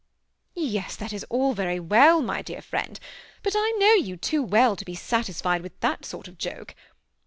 *'" Yes, that is all very well, my dear friend ; but I know you too well to be satisfied with that sort of joke.